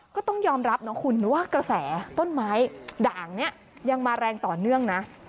ก็ต้องยอมรับนะคุณว่ากระแสต้นไม้ด่างนี้ยังมาแรงต่อเนื่องนะ